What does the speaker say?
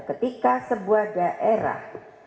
ketika sebuah daerah